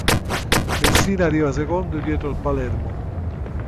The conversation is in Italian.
Messina arriva secondo dietro al Palermo.